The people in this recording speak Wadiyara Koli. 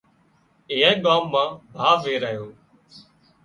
ايئانئي ڳام مان ڀاوَ ويرايو